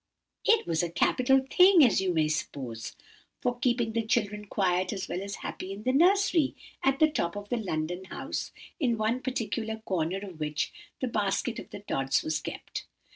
"It was a capital thing, as you may suppose, for keeping the children quiet as well as happy in the nursery, at the top of the London house, in one particular corner of which the basket of Tods was kept.